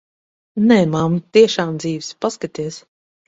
Nē, mamma, tiešām dzīvs. Paskaties.